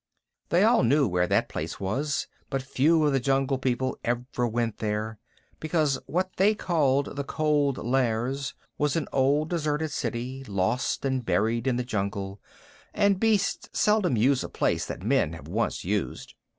They all knew where that place was, but few of the Jungle People ever went there, because what they called the Cold Lairs was an old deserted city, lost and buried in the jungle, and beasts seldom use a place that men have once used.